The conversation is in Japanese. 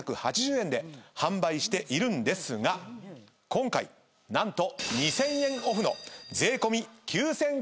今回何と。